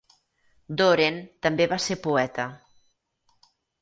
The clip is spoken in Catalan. Doren també va ser poeta.